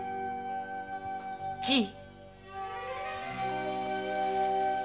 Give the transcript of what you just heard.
じい。